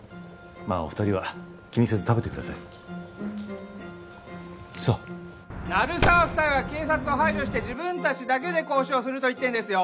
まあお二人は気にせず食べてくださいさあ・鳴沢夫妻は警察を排除して自分達だけで交渉をすると言ってんですよ